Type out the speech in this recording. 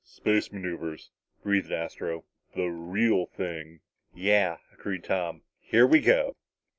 "Space maneuvers," breathed Astro. "The real thing." "Yeah," agreed Tom. "Here we go!"